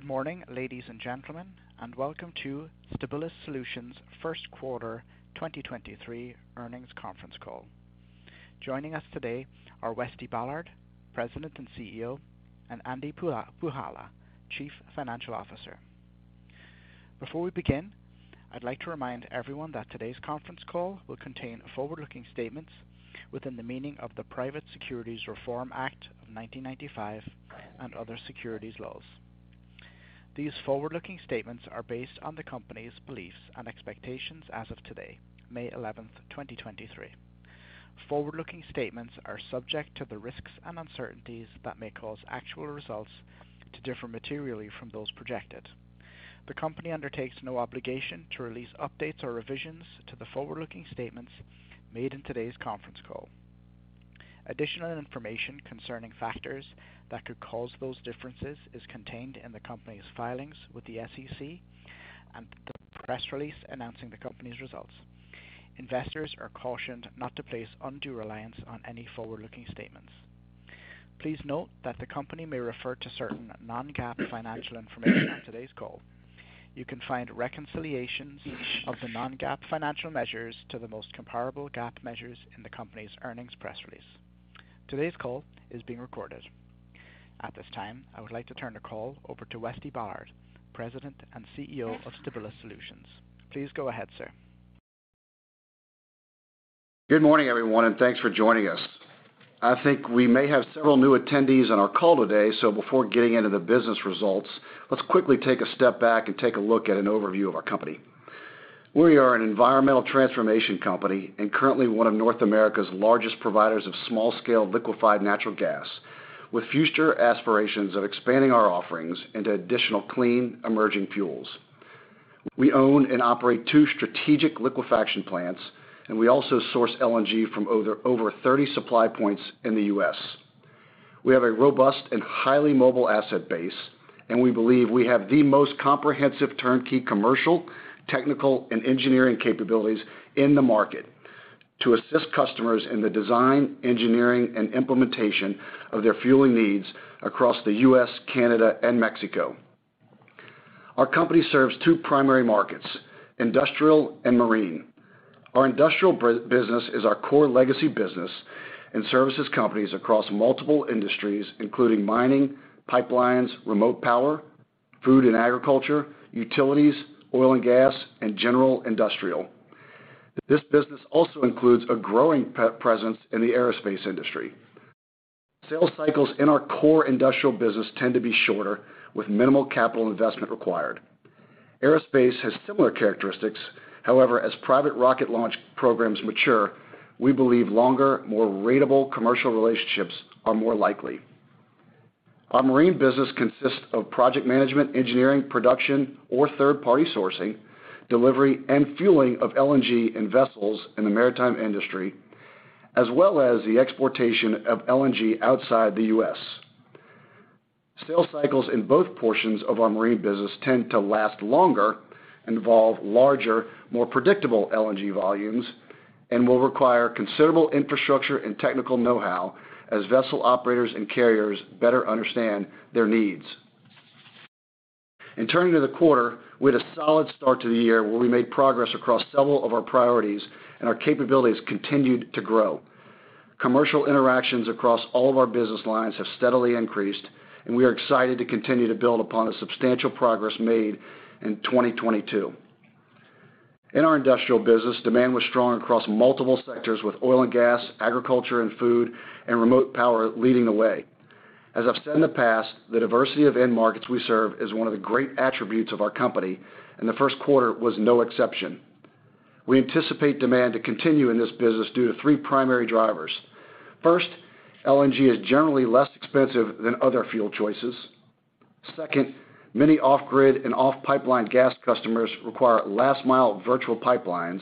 Good morning, ladies and gentlemen, and welcome to Stabilis Solutions' first quarter 2023 earnings conference call. Joining us today are Westy Ballard, President and CEO, and Andy Puhala, Chief Financial Officer. Before we begin, I'd like to remind everyone that today's conference call will contain forward-looking statements within the meaning of the Private Securities Reform Act of 1995 and other securities laws. These forward-looking statements are based on the company's beliefs and expectations as of today, May `11th, 2023. Forward-looking statements are subject to the risks and uncertainties that may cause actual results to differ materially from those projected. The company undertakes no obligation to release updates or revisions to the forward-looking statements made in today's conference call. Additional information concerning factors that could cause those differences is contained in the company's filings with the SEC and the press release announcing the company's results. Investors are cautioned not to place undue reliance on any forward-looking statements. Please note that the company may refer to certain non-GAAP financial information on today's call. You can find reconciliations of the non-GAAP financial measures to the most comparable GAAP measures in the company's earnings press release. Today's call is being recorded. At this time, I would like to turn the call over to Westy Ballard, President and CEO of Stabilis Solutions. Please go ahead, sir. Good morning, everyone. Thanks for joining us. I think we may have several new attendees on our call today, so before getting into the business results, let's quickly take a step back and take a look at an overview of our company. We are an environmental transformation company and currently one of North America's largest providers of small-scale liquefied natural gas, with future aspirations of expanding our offerings into additional clean emerging fuels. We own and operate two strategic liquefaction plants, and we also source LNG from over thirty supply points in the U.S. We have a robust and highly mobile asset base, and we believe we have the most comprehensive turnkey commercial, technical, and engineering capabilities in the market to assist customers in the design, engineering, and implementation of their fueling needs across the U.S., Canada, and Mexico. Our company serves two primary markets: industrial and marine. Our industrial business is our core legacy business and services companies across multiple industries, including mining, pipelines, remote power, food and agriculture, utilities, oil and gas, and general industrial. This business also includes a growing presence in the aerospace industry. Sales cycles in our core industrial business tend to be shorter with minimal capital investment required. Aerospace has similar characteristics. However, as private rocket launch programs mature, we believe longer, more ratable commercial relationships are more likely. Our marine business consists of project management, engineering, production or third-party sourcing, delivery, and fueling of LNG in vessels in the maritime industry, as well as the exportation of LNG outside the U.S. sales cycles in both portions of our marine business tend to last longer, involve larger, more predictable LNG volumes, and will require considerable infrastructure and technical know-how as vessel operators and carriers better understand their needs. Turning to the quarter, we had a solid start to the year where we made progress across several of our priorities and our capabilities continued to grow. Commercial interactions across all of our business lines have steadily increased, and we are excited to continue to build upon the substantial progress made in 2022. In our industrial business, demand was strong across multiple sectors with oil and gas, agriculture and food, and remote power leading the way. As I've said in the past, the diversity of end markets we serve is one of the great attributes of our company, and the first quarter was no exception. We anticipate demand to continue in this business due to three primary drivers. First, LNG is generally less expensive than other fuel choices. Second, many off-grid and off-pipeline gas customers require last-mile virtual pipelines.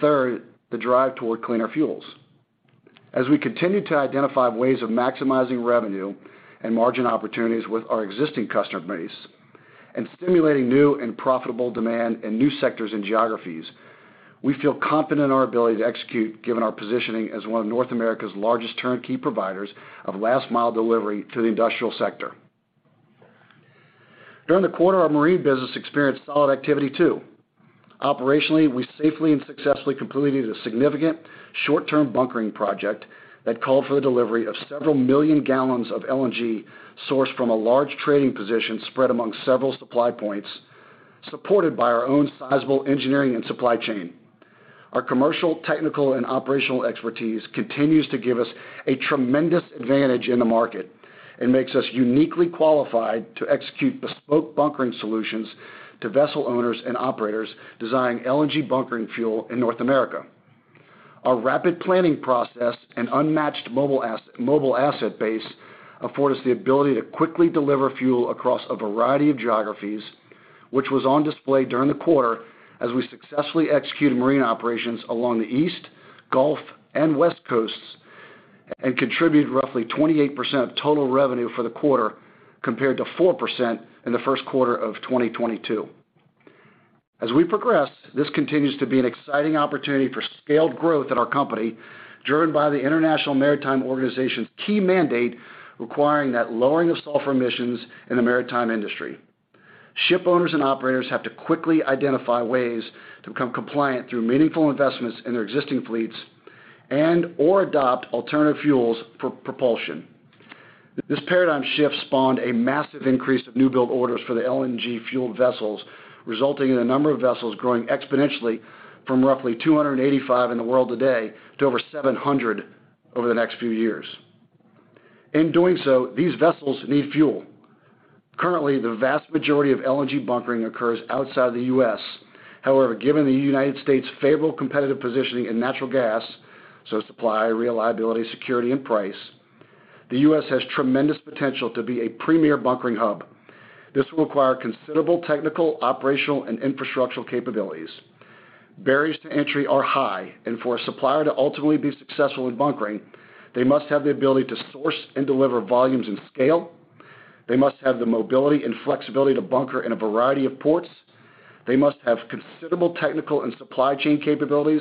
Third, the drive toward cleaner fuels. As we continue to identify ways of maximizing revenue and margin opportunities with our existing customer base and stimulating new and profitable demand in new sectors and geographies, we feel confident in our ability to execute given our positioning as one of North America's largest turnkey providers of last-mile delivery to the industrial sector. During the quarter, our marine business experienced solid activity too. Operationally, we safely and successfully completed a significant short-term bunkering project that called for the delivery of several million gallons of LNG sourced from a large trading position spread among several supply points, supported by our own sizable engineering and supply chain. Our commercial, technical, and operational expertise continues to give us a tremendous advantage in the market and makes us uniquely qualified to execute bespoke bunkering solutions to vessel owners and operators designing LNG bunkering fuel in North America. Our rapid planning process and unmatched mobile asset base afford us the ability to quickly deliver fuel across a variety of geographies, which was on display during the quarter as we successfully executed marine operations along the East, Gulf, and West Coasts and contributed roughly 28% of total revenue for the quarter compared to 4% in the first quarter of 2022. As we progress, this continues to be an exciting opportunity for scaled growth at our company, driven by the International Maritime Organization's key mandate requiring that lowering of sulfur emissions in the maritime industry. Ship owners and operators have to quickly identify ways to become compliant through meaningful investments in their existing fleets and or adopt alternative fuels for propulsion. This paradigm shift spawned a massive increase of new build orders for the LNG-fueled vessels, resulting in a number of vessels growing exponentially from roughly 285 in the world today to over 700 over the next few years. In doing so, these vessels need fuel. Currently, the vast majority of LNG bunkering occurs outside the U.S. However, given the United States' favorable competitive positioning in natural gas, so supply, reliability, security, and price, the U.S. has tremendous potential to be a premier bunkering hub. This will require considerable technical, operational, and infrastructural capabilities. Barriers to entry are high, and for a supplier to ultimately be successful in bunkering, they must have the ability to source and deliver volumes in scale, they must have the mobility and flexibility to bunker in a variety of ports, they must have considerable technical and supply chain capabilities,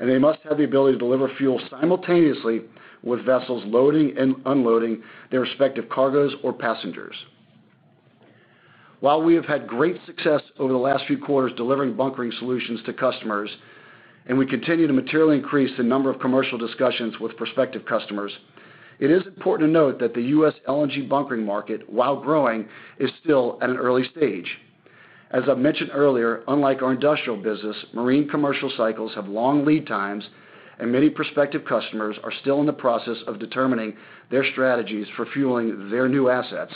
and they must have the ability to deliver fuel simultaneously with vessels loading and unloading their respective cargoes or passengers. While we have had great success over the last few quarters delivering bunkering solutions to customers, and we continue to materially increase the number of commercial discussions with prospective customers, it is important to note that the U.S. LNG bunkering market, while growing, is still at an early stage. As I've mentioned earlier, unlike our industrial business, marine commercial cycles have long lead times, and many prospective customers are still in the process of determining their strategies for fueling their new assets,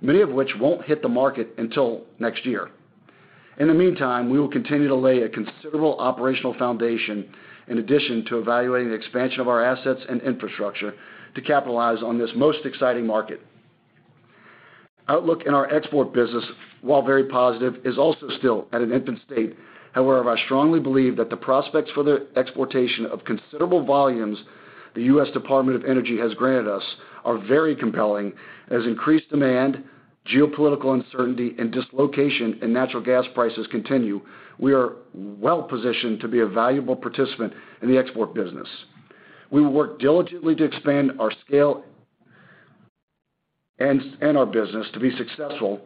many of which won't hit the market until next year. In the meantime, we will continue to lay a considerable operational foundation in addition to evaluating the expansion of our assets and infrastructure to capitalize on this most exciting market. Outlook in our export business, while very positive, is also still at an infant state. However, I strongly believe that the prospects for the exportation of considerable volumes the U.S. Department of Energy has granted us are very compelling. As increased demand, geopolitical uncertainty, and dislocation in natural gas prices continue, we are well-positioned to be a valuable participant in the export business. We will work diligently to expand our scale and our business to be successful.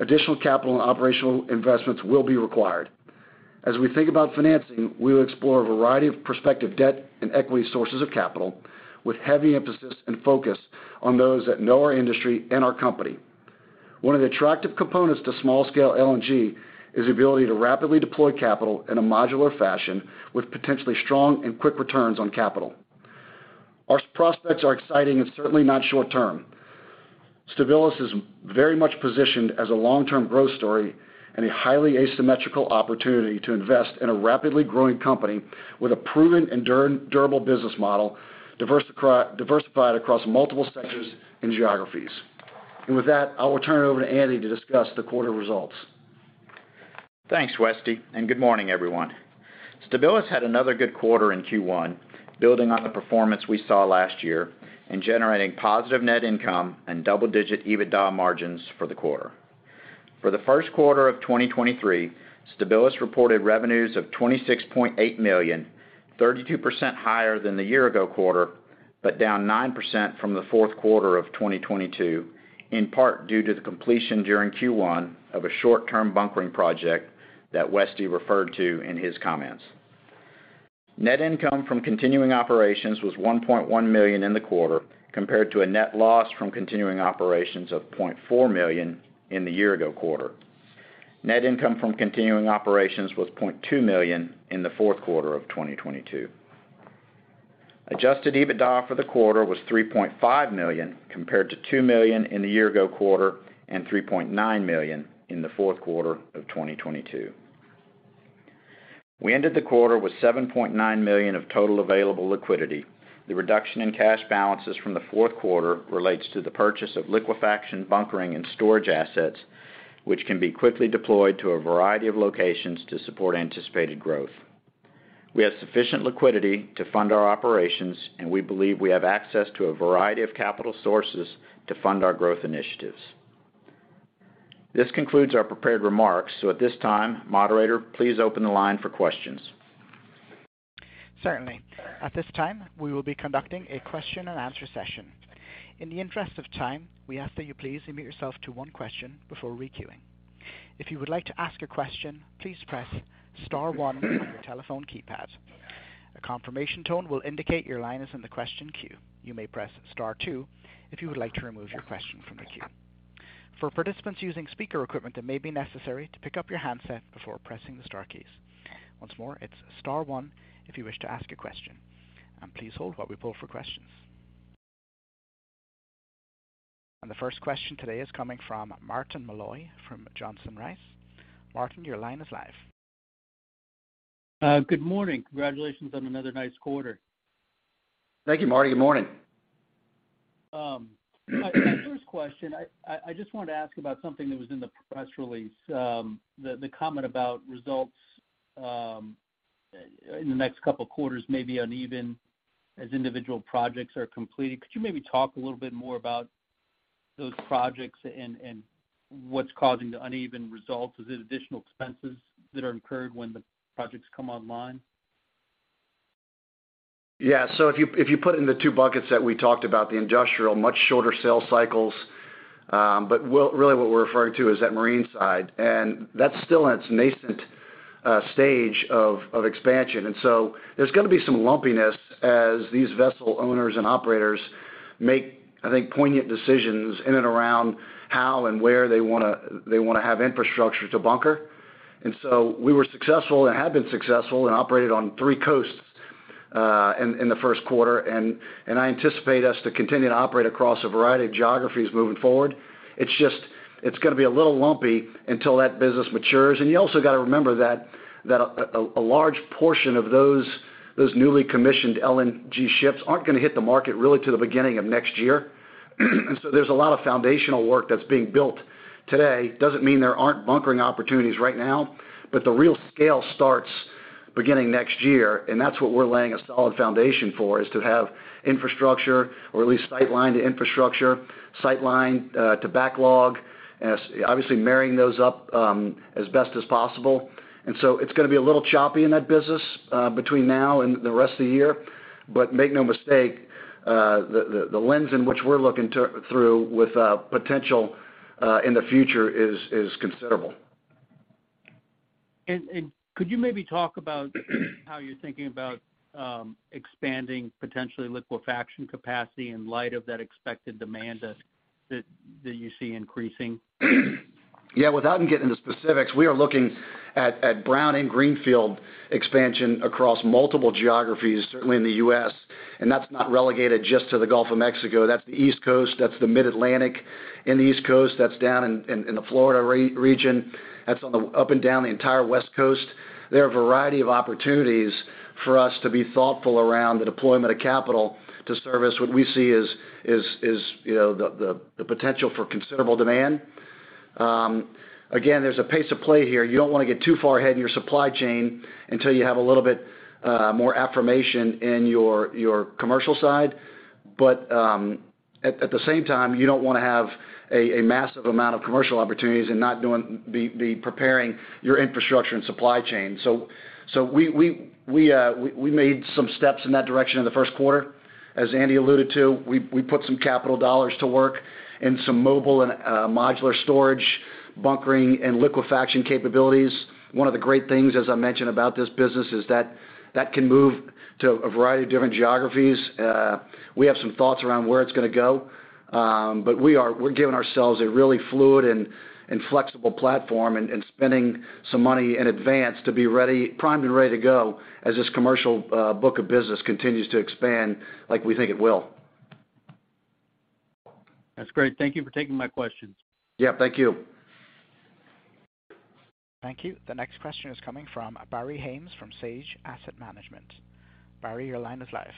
Additional capital and operational investments will be required. As we think about financing, we will explore a variety of prospective debt and equity sources of capital with heavy emphasis and focus on those that know our industry and our company. One of the attractive components to small-scale LNG is the ability to rapidly deploy capital in a modular fashion with potentially strong and quick returns on capital. Our prospects are exciting and certainly not short term. Stabilis is very much positioned as a long-term growth story and a highly asymmetrical opportunity to invest in a rapidly growing company with a proven and durable business model, diversified across multiple sectors and geographies. With that, I will turn it over to Andy to discuss the quarter results. Thanks, Westy, and good morning, everyone. Stabilis had another good quarter in Q1, building on the performance we saw last year and generating positive net income and double-digit EBITDA margins for the quarter. For the first quarter of 2023, Stabilis reported revenues of $26.8 million, 32% higher than the year ago quarter, but down 9% from the fourth quarter of 2022, in part due to the completion during Q1 of a short-term bunkering project that Westy referred to in his comments. Net income from continuing operations was $1.1 million in the quarter, compared to a net loss from continuing operations of $0.4 million in the year ago quarter. Net income from continuing operations was $0.2 million in the fourth quarter of 2022. Adjusted EBITDA for the quarter was $3.5 million, compared to $2 million in the year ago quarter and $3.9 million in the fourth quarter of 2022. We ended the quarter with $7.9 million of total available liquidity. The reduction in cash balances from the fourth quarter relates to the purchase of liquefaction, bunkering, and storage assets, which can be quickly deployed to a variety of locations to support anticipated growth. We have sufficient liquidity to fund our operations, and we believe we have access to a variety of capital sources to fund our growth initiatives. This concludes our prepared remarks. At this time, moderator, please open the line for questions. Certainly. At this time, we will be conducting a question-and-answer session. In the interest of time, we ask that you please limit yourself to one question before re-queuing. If you would like to ask a question, please press star one on your telephone keypad. A confirmation tone will indicate your line is in the question queue. You may press star two if you would like to remove your question from the queue. For participants using speaker equipment, it may be necessary to pick up your handset before pressing the star keys. Once more, it's star one if you wish to ask a question, and please hold while we pull for questions. The first question today is coming from Martin Malloy from Johnson Rice. Martin, your line is live. Good morning. Congratulations on another nice quarter. Thank you, Martin. Good morning. My first question, I just wanted to ask about something that was in the press release, the comment about results. In the next couple of quarters, maybe uneven as individual projects are completed. Could you maybe talk a little bit more about those projects and what's causing the uneven results? Is it additional expenses that are incurred when the projects come online? Yeah. If you, if you put it in the two buckets that we talked about, the industrial, much shorter sales cycles. Really what we're referring to is that marine side, and that's still in its nascent stage of expansion. There's gonna be some lumpiness as these vessel owners and operators make, I think, poignant decisions in and around how and where they wanna have infrastructure to bunker. We were successful and have been successful and operated on three coasts in the first quarter, and I anticipate us to continue to operate across a variety of geographies moving forward. It's just, it's gonna be a little lumpy until that business matures. You also gotta remember that a large portion of those newly commissioned LNG ships aren't gonna hit the market really till the beginning of next year. There's a lot of foundational work that's being built today. Doesn't mean there aren't bunkering opportunities right now, but the real scale starts beginning next year, and that's what we're laying a solid foundation for, is to have infrastructure or at least sightline to infrastructure, sightline to backlog, and it's obviously marrying those up as best as possible. It's gonna be a little choppy in that business between now and the rest of the year. Make no mistake, the lens in which we're looking through with potential in the future is considerable. Could you maybe talk about how you're thinking about expanding potentially liquefaction capacity in light of that expected demand that you see increasing? Yeah. Without me getting into specifics, we are looking at brown and greenfield expansion across multiple geographies, certainly in the U.S., and that's not relegated just to the Gulf of Mexico. That's the East Coast. That's the Mid-Atlantic in the East Coast. That's down in the Florida region. That's on the up and down the entire West Coast. There are a variety of opportunities for us to be thoughtful around the deployment of capital to service what we see as, you know, the potential for considerable demand. Again, there's a pace of play here. You don't wanna get too far ahead in your supply chain until you have a little bit more affirmation in your commercial side. At the same time, you don't wanna have a massive amount of commercial opportunities and be preparing your infrastructure and supply chain. We made some steps in that direction in the first quarter. As Andy alluded to, we put some capital dollars to work and some mobile and modular storage, bunkering, and liquefaction capabilities. One of the great things, as I mentioned about this business, is that can move to a variety of different geographies. We have some thoughts around where it's gonna go. We're giving ourselves a really fluid and flexible platform and spending some money in advance to be primed and ready to go as this commercial book of business continues to expand like we think it will. That's great. Thank you for taking my questions. Yeah, thank you. Thank you. The next question is coming from Barry Haimes from Sage Asset Management. Barry, your line is live.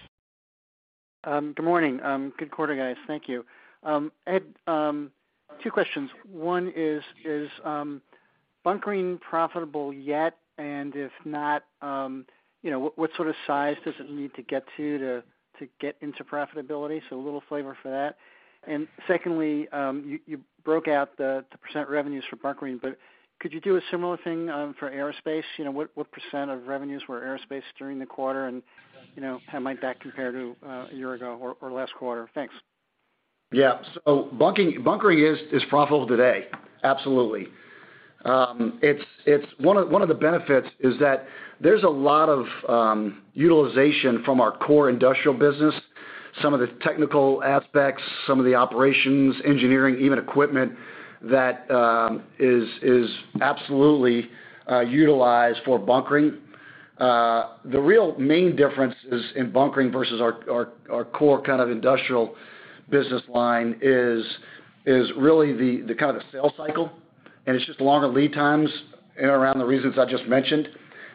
Good morning. Good quarter, guys. Thank you. Two questions. One is bunkering profitable yet? If not, you know, what sort of size does it need to get to get into profitability? A little flavor for that. Secondly, you broke out the percent revenues for bunkering, but could you do a similar thing for aerospace? You know, what percent of revenues were aerospace during the quarter? You know, how might that compare to a year ago or last quarter? Thanks. Yeah. Bunkering is profitable today. Absolutely. One of the benefits is that there's a lot of utilization from our core industrial business, some of the technical aspects, some of the operations, engineering, even equipment that is absolutely utilized for bunkering. The real main differences in bunkering versus our core kind of industrial business line is really the kind of the sales cycle, and it's just longer lead times in and around the reasons I just mentioned.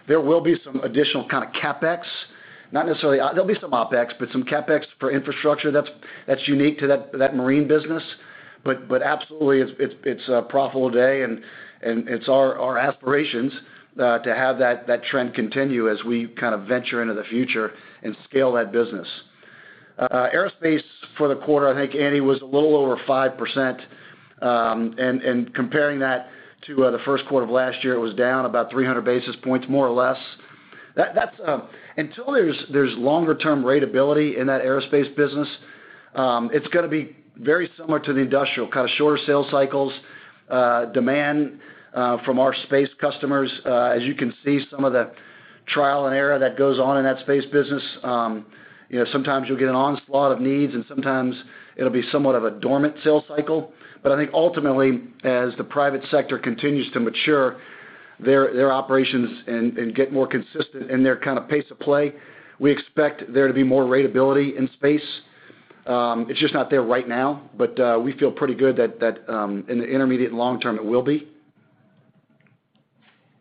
There will be some additional kind of CapEx, there'll be some OpEx, but some CapEx for infrastructure that's unique to that marine business. Absolutely, it's profitable today, and it's our aspirations to have that trend continue as we kind of venture into the future and scale that business. Aerospace for the quarter, I think Andy was a little over 5%, and comparing that to the first quarter of last year, it was down about 300 basis points, more or less. That's until there's longer term ratability in that aerospace business, it's gonna be very similar to the industrial, kind of shorter sales cycles, demand from our space customers. As you can see, some of the trial and error that goes on in that space business, you know, sometimes you'll get an onslaught of needs and sometimes it'll be somewhat of a dormant sales cycle. I think ultimately, as the private sector continues to mature their operations and get more consistent in their kind of pace of play, we expect there to be more ratability in space. It's just not there right now, but we feel pretty good that in the intermediate long term, it will be.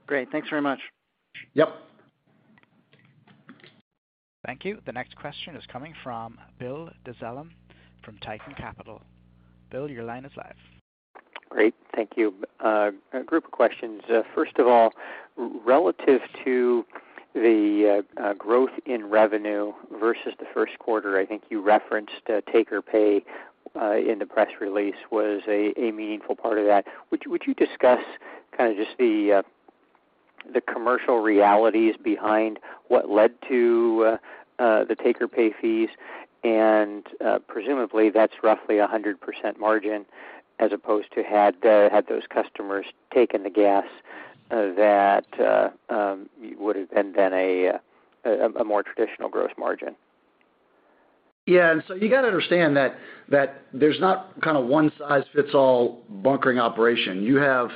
Great. Thanks very much. Yep. Thank you. The next question is coming from Bill Dezellem from Tieton Capital. Bill, your line is live. Great. Thank you. A group of questions. First of all, relative to the growth in revenue versus the first quarter, I think you referenced take or pay in the press release was a meaningful part of that. Would you discuss kind of just the commercial realities behind what led to the take or pay fees? Presumably that's roughly a 100% margin as opposed to had those customers taken the gas that would have been then a more traditional gross margin. Yeah. You got to understand that there's not kind of one size fits all bunkering operation. You have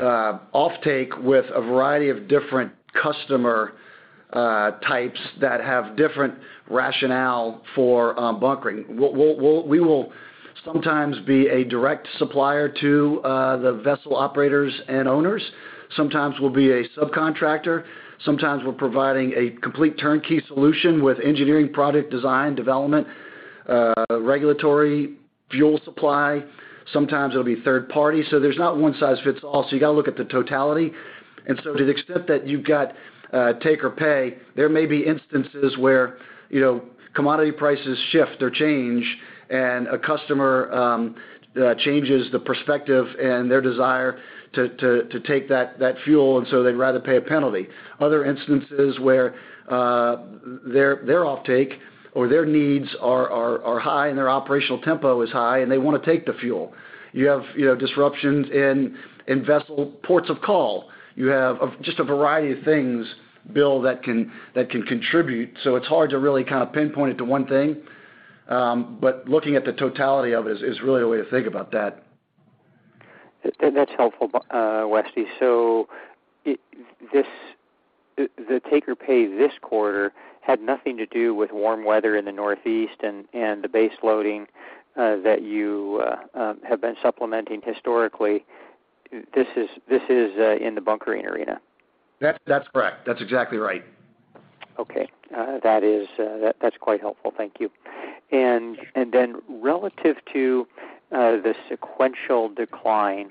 offtake with a variety of different customer types that have different rationale for bunkering. We will sometimes be a direct supplier to the vessel operators and owners. Sometimes we'll be a subcontractor. Sometimes we're providing a complete turnkey solution with engineering, product design, development, regulatory fuel supply. Sometimes it'll be third party. There's not one size fits all. You got to look at the totality. To the extent that you've got take or pay, there may be instances where, you know, commodity prices shift or change and a customer changes the perspective and their desire to take that fuel, and so they'd rather pay a penalty. Other instances where their offtake or their needs are high and their operational tempo is high and they want to take the fuel. You have, you know, disruptions in vessel ports of call. You have just a variety of things, Bill, that can contribute. It's hard to really kind of pinpoint it to one thing. Looking at the totality of it is really the way to think about that. That's helpful, Westy. The take-or-pay this quarter had nothing to do with warm weather in the Northeast and the base loading that you have been supplementing historically. This is in the bunkering arena. That's correct. That's exactly right. Okay. That is, that's quite helpful. Thank you. Relative to the sequential decline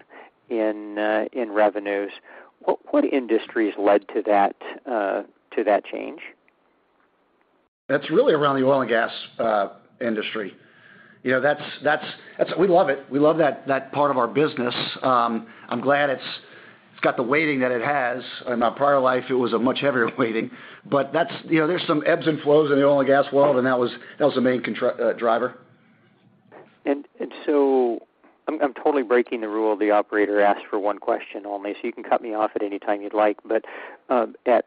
in revenues, what industries led to that change? That's really around the oil and gas industry. You know, that's, we love it. We love that part of our business. I'm glad it's got the weighting that it has. In my prior life, it was a much heavier weighting. That's, you know, there's some ebbs and flows in the oil and gas world, and that was the main driver. I'm totally breaking the rule. The operator asked for one question only, so you can cut me off at any time you'd like. At,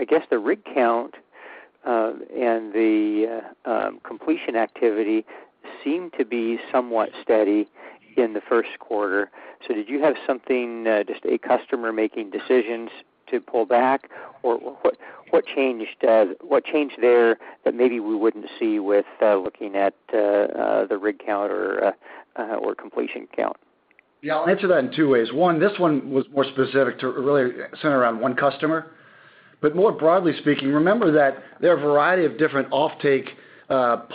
I guess, the rig count, and the completion activity seemed to be somewhat steady in the first quarter. Did you have something, just a customer making decisions to pull back? Or what changed, what changed there that maybe we wouldn't see with, looking at, the rig count or completion count? Yeah, I'll answer that in two ways. one, this one was more specific to really centered around one customer. More broadly speaking, remember that there are a variety of different offtake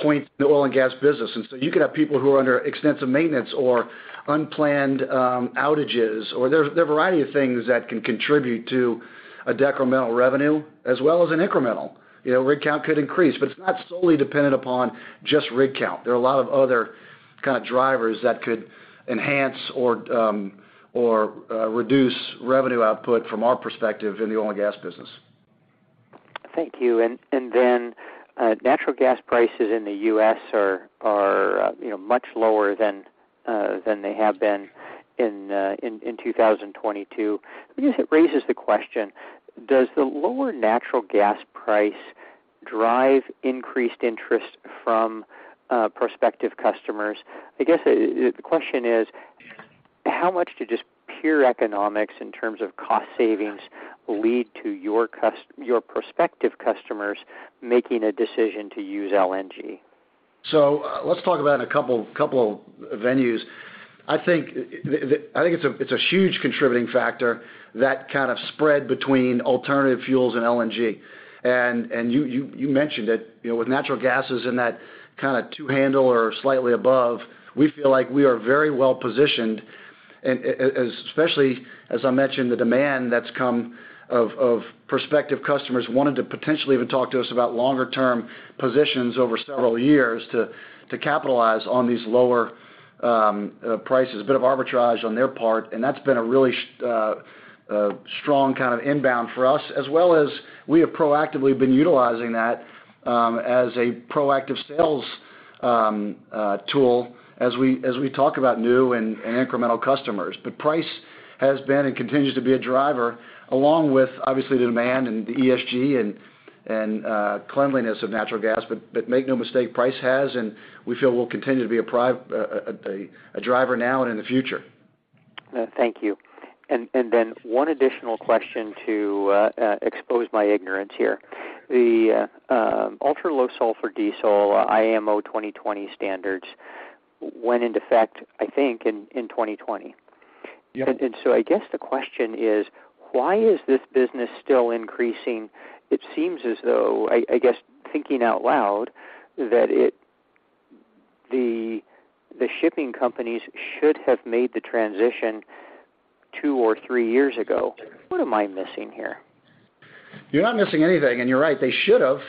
points in the oil and gas business. So you could have people who are under extensive maintenance or unplanned outages, or there's a variety of things that can contribute to a decremental revenue as well as an incremental. You know, rig count could increase, but it's not solely dependent upon just rig count. There are a lot of other kind of drivers that could enhance or reduce revenue output from our perspective in the oil and gas business. Thank you. Then, natural gas prices in the U.S. are, you know, much lower than they have been in 2022. I guess it raises the question, does the lower natural gas price drive increased interest from prospective customers? I guess the question is, how much do just pure economics in terms of cost savings lead to your prospective customers making a decision to use LNG? Let's talk about a couple venues. I think it's a huge contributing factor, that kind of spread between alternative fuels and LNG. You mentioned it, you know, with natural gases in that kind of two handle or slightly above, we feel like we are very well positioned, especially as I mentioned, the demand that's come of prospective customers wanting to potentially even talk to us about longer term positions over several years to capitalize on these lower prices, a bit of arbitrage on their part. That's been a really strong kind of inbound for us, as well as we have proactively been utilizing that as a proactive sales tool as we talk about new and incremental customers. Price has been and continues to be a driver along with obviously the demand and the ESG and cleanliness of natural gas. Make no mistake, price has, and we feel will continue to be a driver now and in the future. Thank you. Then one additional question to expose my ignorance here. The ultra-low sulfur diesel, IMO 2020 standards went into effect, I think, in 2020. So I guess the question is, why is this business still increasing? It seems as though, I guess, thinking out loud, that the shipping companies should have made the transition two or three years ago. What am I missing here? You're not missing anything. You're right, they should have.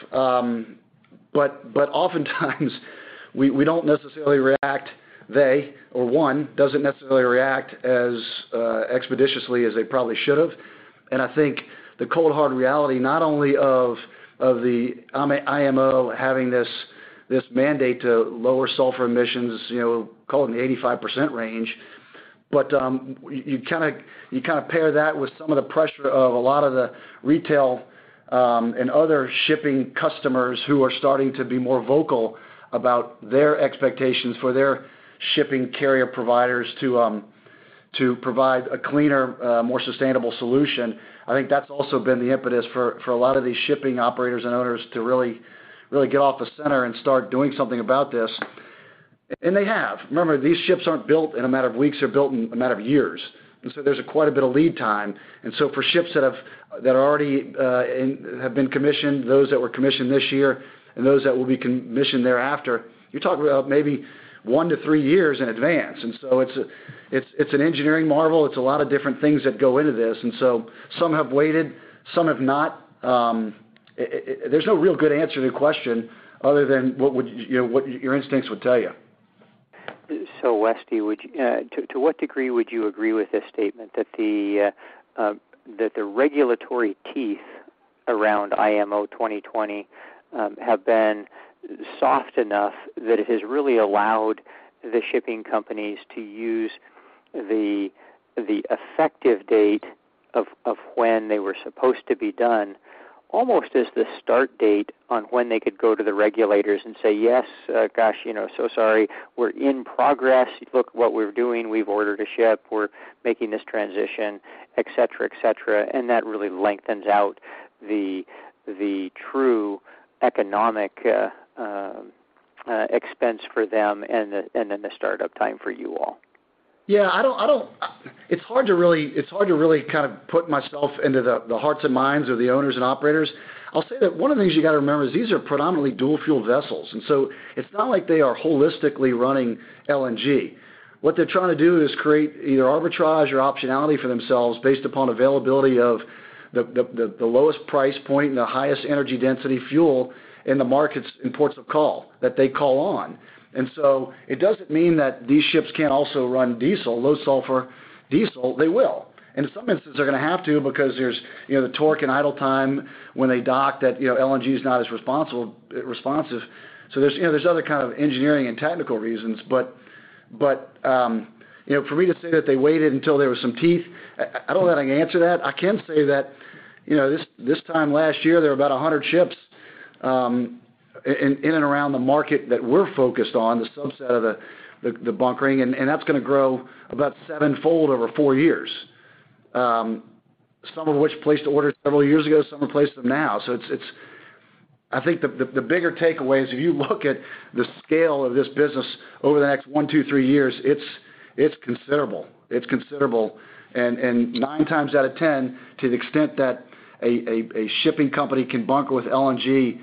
Oftentimes, we don't necessarily react, they or one, doesn't necessarily react as expeditiously as they probably should have. I think the cold hard reality, not only of the IMO having this mandate to lower sulphur emissions, you know, call it in the 85% range. You kinda pair that with some of the pressure of a lot of the retail and other shipping customers who are starting to be more vocal about their expectations for their shipping carrier providers to provide a cleaner, more sustainable solution. I think that's also been the impetus for a lot of these shipping operators and owners to really get off the center and start doing something about this. They have. Remember, these ships aren't built in a matter of weeks, they're built in a matter of years. There's quite a bit of lead time. For ships that are already have been commissioned, those that were commissioned this year, and those that will be commissioned thereafter, you're talking about maybe one to three years in advance. It's, it's an engineering marvel. It's a lot of different things that go into this. Some have waited, some have not. There's no real good answer to the question other than what would, you know, what your instincts would tell you. Wesley, to what degree would you agree with this statement that the regulatory teeth around IMO 2020 have been soft enough that it has really allowed the shipping companies to use the effective date of when they were supposed to be done, almost as the start date on when they could go to the regulators and say, "Yes, gosh, you know, so sorry. We're in progress. Look what we're doing. We've ordered a ship. We're making this transition," et cetera, et cetera? That really lengthens out the true economic expense for them and then the startup time for you all. Yeah. It's hard to really kind of put myself into the hearts and minds of the owners and operators. I'll say that one of the things you gotta remember is these are predominantly dual fuel vessels. It's not like they are holistically running LNG. What they're trying to do is create either arbitrage or optionality for themselves based upon availability of the lowest price point and the highest energy density fuel in the markets and ports of call that they call on. It doesn't mean that these ships can't also run diesel, low sulfur diesel. They will. In some instances, they're gonna have to because there's, you know, the torque and idle time when they dock that, you know, LNG is not as responsible, responsive. There's, you know, there's other kind of engineering and technical reasons. But, you know, for me to say that they waited until there was some teeth, I don't know how to answer that. I can say that, you know, this time last year, there were about 100 ships in and around the market that we're focused on, the subset of the bunkering, that's gonna grow about sevenfold over four years. Some of which placed orders several years ago, some have placed them now. I think the bigger takeaway is if you look at the scale of this business over the next one, two, three years, it's considerable. Nine times out of 10, to the extent that a shipping company can bunker with LNG,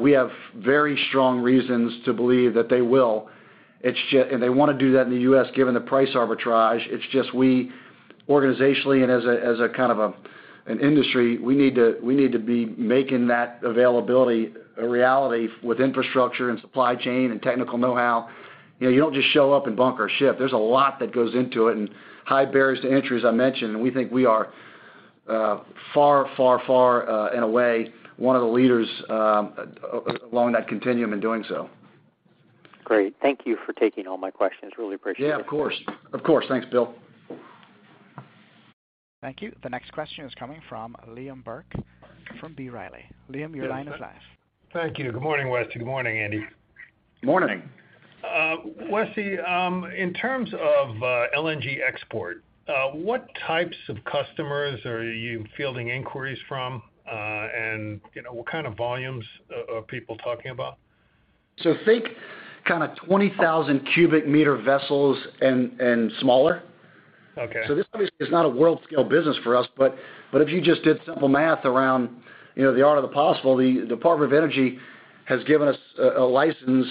we have very strong reasons to believe that they will. It's just they wanna do that in the U.S. given the price arbitrage. It's just we, organizationally and as a kind of an industry, we need to be making that availability a reality with infrastructure and supply chain and technical know-how. You know, you don't just show up and bunker a ship. There's a lot that goes into it and high barriers to entry, as I mentioned, and we think we are far, far, far, in a way, one of the leaders along that continuum in doing so. Great. Thank you for taking all my questions. Really appreciate it. Yeah, of course. Of course. Thanks, Bill. Thank you. The next question is coming from Liam Burke from B. Riley. Liam, your line is live. Thank you. Good morning, Wesley. Good morning, Andy. Morning. Wesley, in terms of LNG export, what types of customers are you fielding inquiries from? You know, what kind of volumes are people talking about? Think kind of 20,000 cu m vessels and smaller. Okay. This obviously is not a world-scale business for us, but if you just did simple math around, you know, the art of the possible, the Department of Energy has given us a license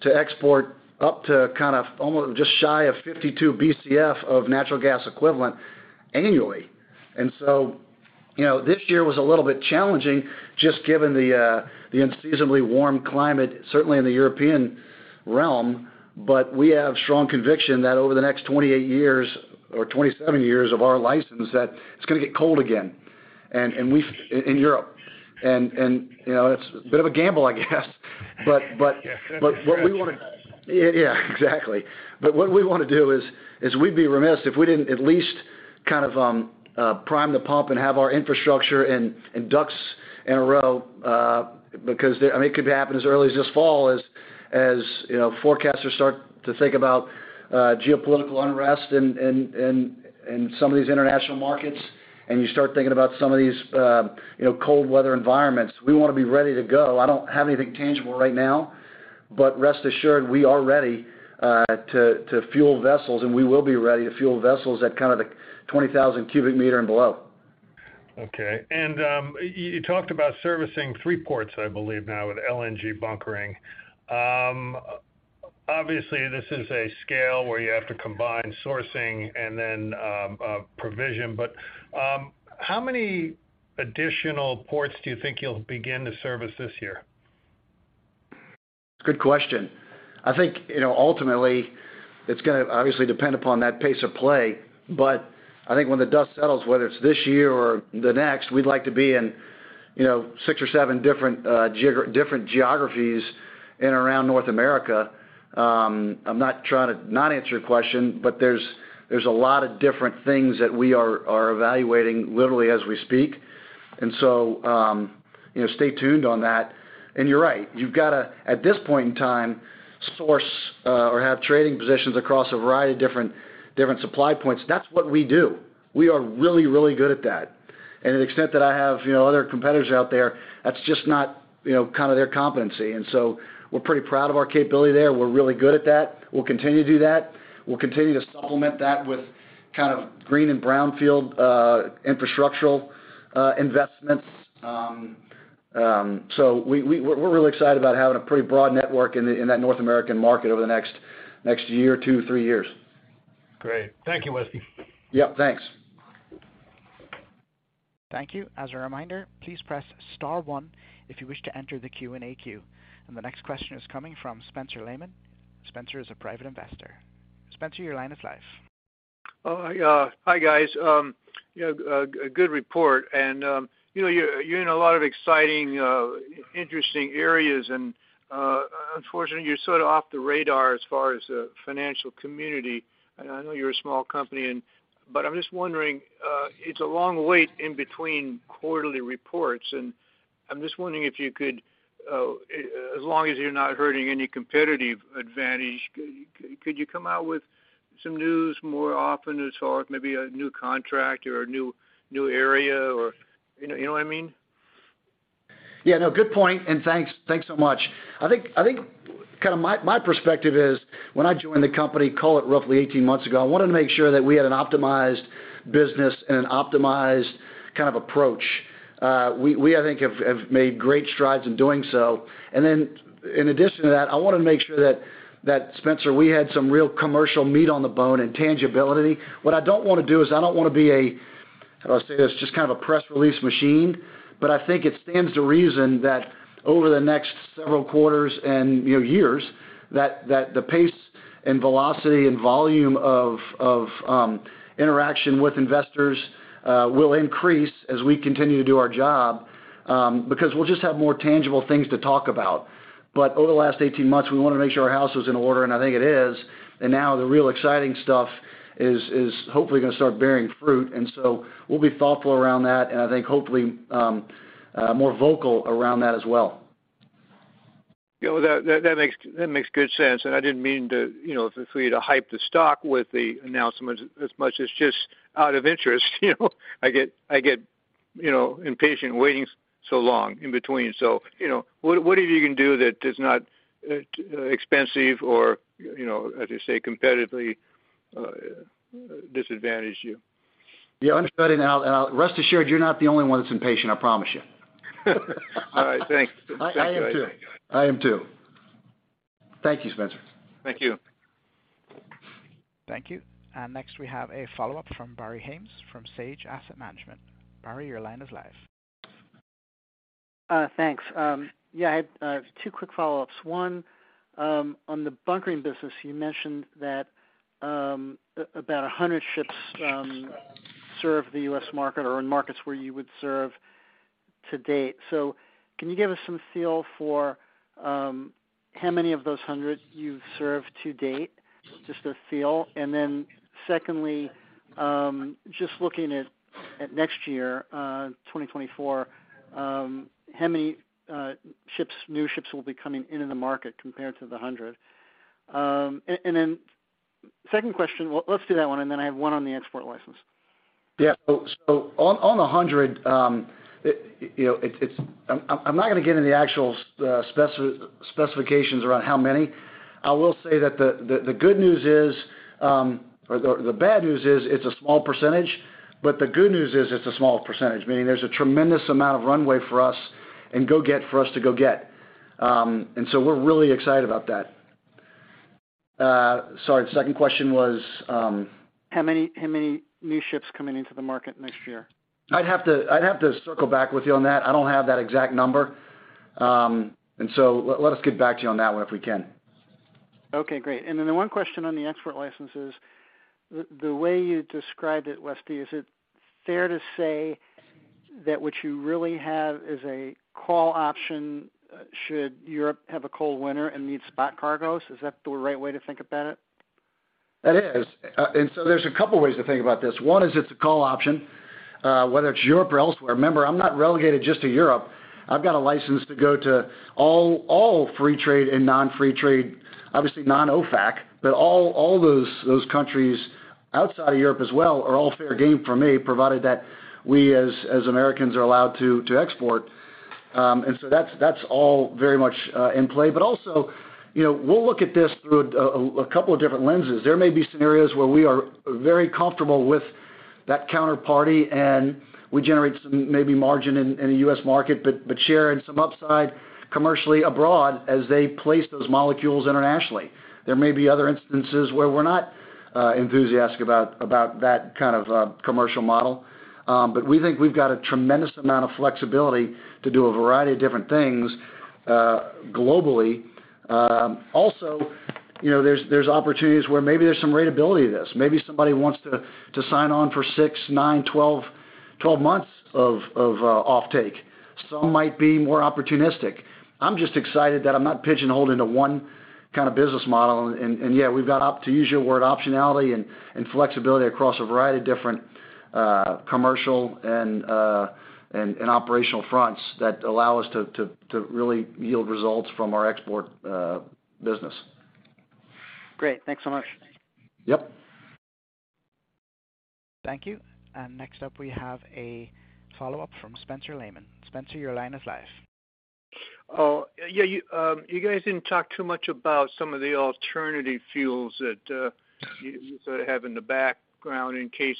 to export up to kind of almost just shy of 52 BCF of natural gas equivalent annually. You know, this year was a little bit challenging just given the unseasonably warm climate, certainly in the European realm. We have strong conviction that over the next 28 years or 27 years of our license, that it's gonna get cold again, in Europe. You know, it's a bit of a gamble, I guess, but. Yeah. What we wanna, yeah, exactly. What we wanna do is we'd be remiss if we didn't at least kind of, prime the pump and have our infrastructure and ducks in a row, because, I mean, it could happen as early as this fall as, you know, forecasters start to think about, geopolitical unrest in some of these international markets. And you start thinking about some of these, you know, cold weather environments. We want to be ready to go. I don't have anything tangible right now, but rest assured we are ready, to fuel vessels, and we will be ready to fuel vessels at kind of the 20,000 cu m and below. Okay. You talked about servicing three ports, I believe now, with LNG bunkering. Obviously, this is a scale where you have to combine sourcing and then provision. How many additional ports do you think you'll begin to service this year? Good question. I think, you know, ultimately, it's gonna obviously depend upon that pace of play. I think when the dust settles, whether it's this year or the next, we'd like to be in, you know, six or seven different geographies in and around North America. I'm not trying to not answer your question, but there's a lot of different things that we are evaluating literally as we speak. You know, stay tuned on that. You're right. You've got to, at this point in time, source or have trading positions across a variety of different supply points. That's what we do. We are really good at that. To the extent that I have, you know, other competitors out there, that's just not, you know, kind of their competency. We're pretty proud of our capability there. We're really good at that. We'll continue to do that. We'll continue to supplement that with kind of green and brown field, infrastructural, investments. We're really excited about having a pretty broad network in that North American market over the next year or two, three years. Great. Thank you, Westy. Yep, thanks. Thank you. As a reminder, please press star one if you wish to enter the Q&A queue. The next question is coming from Spencer Lehman. Spencer is a private investor. Spencer, your line is live. Hi, guys. You know, a good report and, you know, you're in a lot of exciting, interesting areas and, unfortunately, you're sort of off the radar as far as the financial community. I know you're a small company but I'm just wondering, it's a long wait in between quarterly reports, and I'm just wondering if you could, as long as you're not hurting any competitive advantage, could you come out with some news more often as far as maybe a new contract or a new area or, you know, you know what I mean? No, good point, and thanks so much. I think kind of my perspective is when I joined the company, call it roughly 18 months ago, I wanted to make sure that we had an optimized business and an optimized kind of approach. We, I think, have made great strides in doing so. Then in addition to that, I wanted to make sure that Spencer we had some real commercial meat on the bone and tangibility. What I don't wanna do is I don't wanna be a, how do I say this, just kind of a press release machine. I think it stands to reason that over the next several quarters and, you know, years, that the pace and velocity and volume of interaction with investors will increase as we continue to do our job because we'll just have more tangible things to talk about. Over the last 18 months, we wanted to make sure our house was in order, and I think it is. Now the real exciting stuff is hopefully gonna start bearing fruit. We'll be thoughtful around that and I think hopefully more vocal around that as well. You know, that makes good sense. I didn't mean to, you know, for you to hype the stock with the announcements as much as just out of interest, you know. I get, you know, impatient waiting so long in between. You know, what do think you can do that is not expensive or, you know, as you say, competitively disadvantage you? Yeah, understanding. Rest assured, you're not the only one that's impatient, I promise you. All right, thanks. Thank you. I am too. I am too. Thank you, Spencer. Thank you. Thank you. Next, we have a follow-up from Barry Haimes from Sage Asset Management. Barry, your line is live. Thanks. Yeah, I had two quick follow-ups. One, on the bunkering business, you mentioned that about 100 ships serve the U.S. market or in markets where you would serve to date. Can you give us some feel for how many of those 100 you've served to date? Just a feel. Secondly, just looking at next year, 2024, how many ships, new ships will be coming into the market compared to the 100? Well, let's do that one, and then I have one on the export license. On the 100, I'm not gonna get into the actual specifications around how many. I will say that the good news is, or the bad news is it's a small percentage, but the good news is it's a small percentage, meaning there's a tremendous amount of runway for us to go get. We're really excited about that. Sorry, the second question was. How many new ships coming into the market next year? I'd have to circle back with you on that. I don't have that exact number. Let us get back to you on that one if we can. Okay, great. The one question on the export license is, the way you described it, Westy, is it fair to say that what you really have is a call option, should Europe have a cold winter and need spot cargoes? Is that the right way to think about it? It is. There's a couple of ways to think about this. One is it's a call option, whether it's Europe or elsewhere. Remember, I'm not relegated just to Europe. I've got a license to go to all free trade and non-free trade, obviously non-OFAC. All those countries outside of Europe as well are all fair game for me, provided that we as Americans are allowed to export. That's all very much in play. Also, you know, we'll look at this through a couple of different lenses. There may be scenarios where we are very comfortable with that counterparty and we generate some maybe margin in the U.S. market, but share in some upside commercially abroad as they place those molecules internationally. There may be other instances where we're not enthusiastic about that kind of commercial model. We think we've got a tremendous amount of flexibility to do a variety of different things globally. Also, you know, there's opportunities where maybe there's some ratability to this. Maybe somebody wants to sign on for six, nine, 12 months of offtake. Some might be more opportunistic. I'm just excited that I'm not pigeonholed into one kind of business model. Yeah, we've got, to use your word, optionality and flexibility across a variety of different commercial and operational fronts that allow us to really yield results from our export business. Great. Thanks so much. Yep. Thank you. Next up, we have a follow-up from Spencer Lehman. Spencer, your line is live. Oh, yeah, you guys didn't talk too much about some of the alternative fuels that you sort of have in the background in case,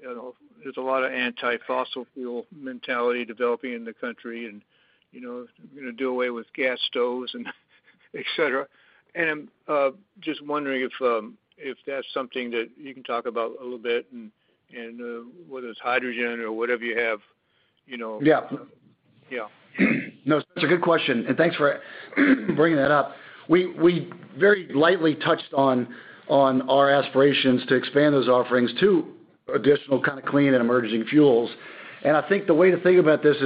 you know, there's a lot of anti-fossil fuel mentality developing in the country and, you know, gonna do away with gas stoves and et cetera. Just wondering if that's something that you can talk about a little bit and, whether it's hydrogen or whatever you have, you know? Yeah. Yeah. No, that's a good question. Thanks for bringing that up. We very lightly touched on our aspirations to expand those offerings to additional kind of clean and emerging fuels. I think the way to think about this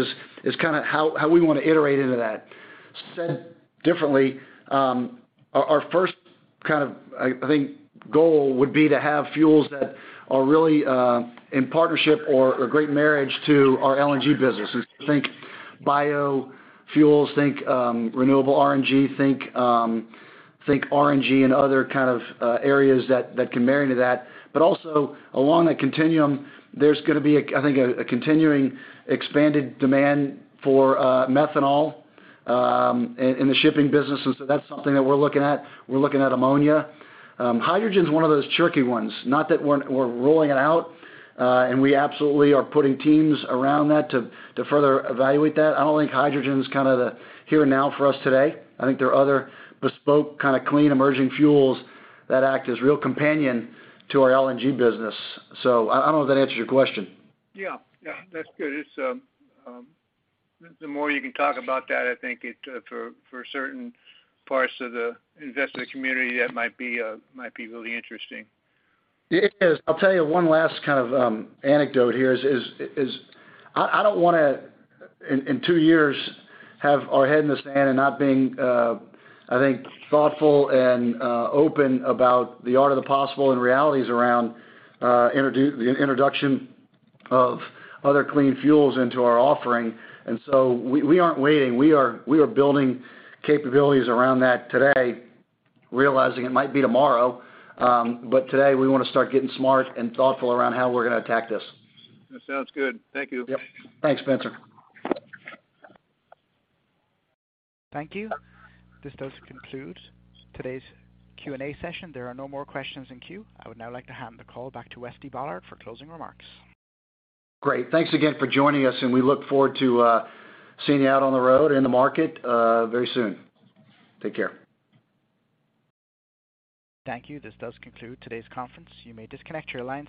is kind of how we want to iterate into that. Said differently, our first kind of, I think, goal would be to have fuels that are really in partnership or a great marriage to our LNG business. Think biofuels, think renewable RNG, think RNG and other kind of areas that can marry to that. Also, along that continuum, there's gonna be a, I think a continuing expanded demand for methanol in the shipping business. That's something that we're looking at. We're looking at ammonia. Hydrogen's one of those tricky ones, not that we're ruling it out. We absolutely are putting teams around that to further evaluate that. I don't think hydrogen's kind of the here and now for us today. I think there are other bespoke, kind of clean, emerging fuels that act as real companion to our LNG business. I don't know if that answers your question. Yeah. Yeah, that's good. It's, the more you can talk about that, I think it, for certain parts of the investment community, that might be really interesting. It is. I'll tell you one last kind of, anecdote here is I don't wanna, in two years, have our head in the sand and not being, I think, thoughtful and open about the art of the possible and realities around the introduction of other clean fuels into our offering. We aren't waiting. We are building capabilities around that today, realizing it might be tomorrow. Today, we wanna start getting smart and thoughtful around how we're gonna attack this. That sounds good. Thank you. Yep. Thanks, Spencer. Thank you. This does conclude today's Q&A session. There are no more questions in queue. I would now like to hand the call back to Westy Ballard for closing remarks. Great. Thanks again for joining us. We look forward to seeing you out on the road in the market, very soon. Take care. Thank you. This does conclude today's conference. You may disconnect your lines.